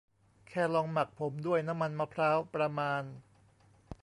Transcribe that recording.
แค่ลองหมักผมด้วยน้ำมันมะพร้าวประมาณ